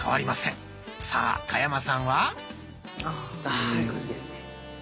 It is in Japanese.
さあ田山さんは。ああいい感じですね。